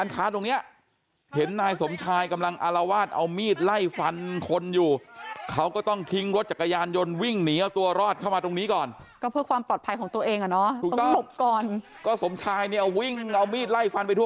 ก็สมชายเนี่ยอ้าววิ่งเอามีดไล่ฟันไปทั่ว